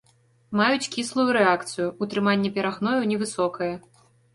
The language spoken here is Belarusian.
Маюць кіслую рэакцыю, утрыманне перагною невысокае.